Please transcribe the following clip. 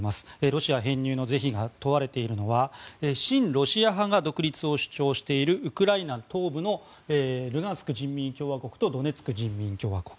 ロシア編入の是非が問われているのは親ロシア派が独立を主張しているウクライナ東部のルガンスク人民共和国とドネツク人民共和国。